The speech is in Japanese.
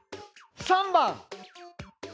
３番！